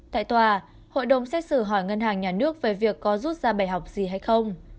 tại tòa hội đồng xét xử hỏi ngân hàng nhà nước về việc có rút ra bài học gì hay không